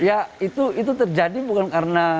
ya itu terjadi bukan karena